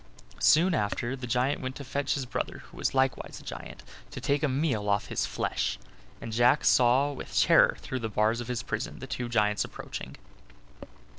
Soon after the giant went to fetch his brother who was likewise a giant, to take a meal off his flesh; and Jack saw with terror through the bars of his prison the two giants approaching.